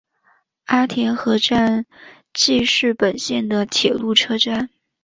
阿田和站纪势本线的铁路车站。